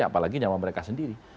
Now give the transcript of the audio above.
apalagi nyawa mereka sendiri